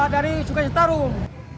dari sungai citarum